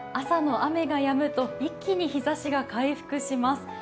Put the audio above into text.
朝の雨がやむと一気に日ざしが回復します。